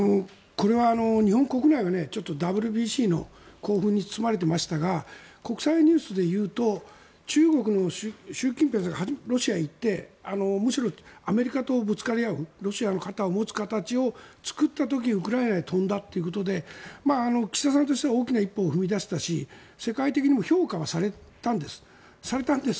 これは日本国内はちょっとＷＢＣの興奮に包まれていましたが国際ニュースで言うと中国の習近平さんがロシアに行ってむしろアメリカとぶつかり合うロシアの肩を持つ形を作った時ウクライナへ飛んだということで岸田さんとしては大きな一歩を踏み出したし世界的にも評価はされたんです。